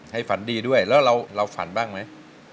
ฝันดีด้วยแล้วเราฝันบ้างไหม